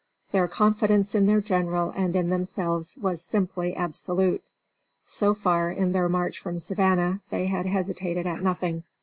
Their confidence in their general and in themselves was simply absolute. So far, in their march from Savannah they had hesitated at nothing.